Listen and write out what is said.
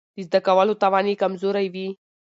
د زده کولو توان يې کمزوری وي.